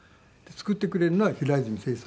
作ってくれるのは平泉成さん。